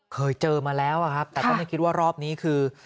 เคยเจอมาแล้วครับแต่ก็ไม่คิดว่ารอบนี้คือ